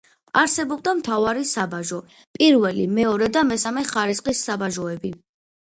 არსებობდა მთავარი საბაჟო, პირველი, მეორე და მესამე ხარისხის საბაჟოები.